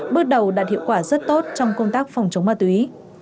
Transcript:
bước đầu đạt hiệu quả rất tốt trong công tác phòng chống ma túy